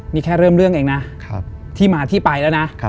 นี่แค่เริ่มเรื่องเองนะที่มาที่ไปแล้วนะ